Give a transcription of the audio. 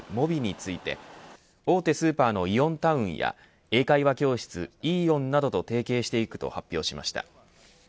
ｍｏｂｉについて大手スーパーのイオンタウンや英会話教室イーオンなどと提携していくと発表しました。